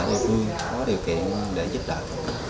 có điều kiện để giúp đỡ các bạn